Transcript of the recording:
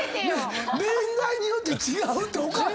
年代によって違うっておかしい！